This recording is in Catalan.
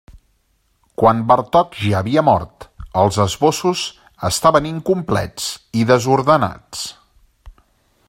Quan Bartók ja havia mort, els esbossos estaven incomplets i desordenats.